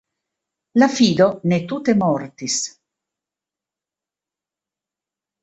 La fido ne tute mortis.